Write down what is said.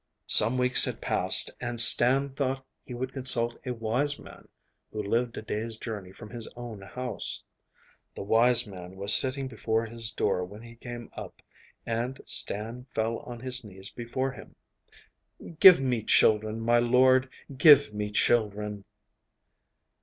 Some weeks had passed, and Stan thought he would consult a wise man who lived a day's journey from his own house. The wise man was sitting before his door when he came up, and Stan fell on his knees before him. 'Give me children, my lord, give me children.